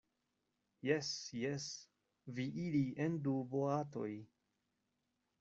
Jes, jes, vi iri en du boatoj.